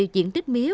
diện tích mía